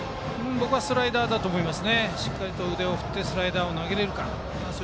僕はスライダーだと思います。